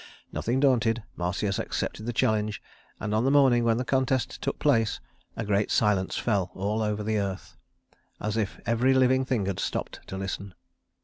Nothing daunted, Marsyas accepted the challenge; and on the morning when the contest took place, a great silence fell over all the earth, as if every living thing had stopped to listen.